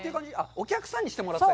お客さんにしてもらったり？